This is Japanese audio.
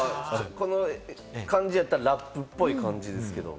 この感じやったらラップっぽい感じですけれども。